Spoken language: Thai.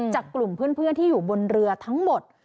จากกลุ่มเพื่อนที่อยู่บนเรือทั้งหมด